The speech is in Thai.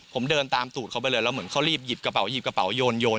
ผมเดินตามตูดเขาไปเลยแล้วเหมือนเขารีบหยิบกระเป๋าหยิบกระเป๋าโยน